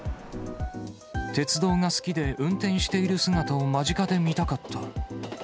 鉄道が好きで、運転している姿を間近で見たかった。